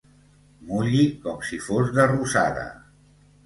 Mulli com si fos de rosada.